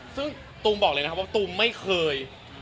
ซึ่งตูมบอกเลยนะครับว่าตูมไม่เคย